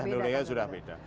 teknologinya sudah beda